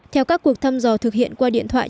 theo các cuộc thăm dò thực hiện qua điện thoại